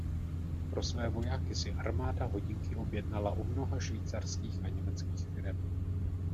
Pro své vojáky si armáda hodinky objednala u mnoha švýcarských a německých firem.